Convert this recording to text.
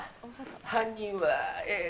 犯人はえ